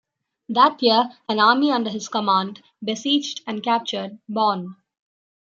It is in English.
That year an army under his command besieged and captured Bonn.